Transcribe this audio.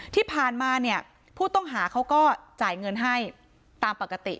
ที่ผ่านมาเนี่ยผู้ต้องหาเขาก็จ่ายเงินให้ตามปกติ